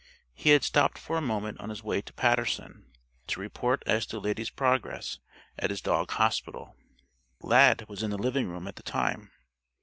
He had stopped for a moment on his way to Paterson, to report as to Lady's progress at his dog hospital. Lad was in the living room at the time.